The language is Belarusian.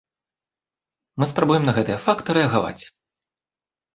Мы спрабуем на гэтыя факты рэагаваць.